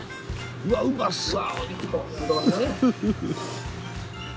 うわうまそう！